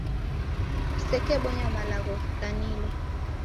Kusekebonya malagho ghikanilo.